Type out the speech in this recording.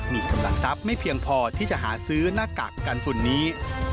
มีกำลังทรัพย์ไม่เพียงพอที่จะหาซื้อหน้ากากกันฝุ่นนี้